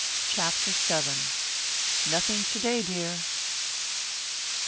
CHAPTER VII. "NOTHING TO DAY, DEAR!"